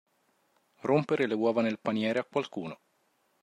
Rompere le uova nel paniere a qualcuno.